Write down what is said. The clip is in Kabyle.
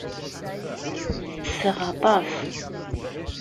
Ttesseɣ aṭas!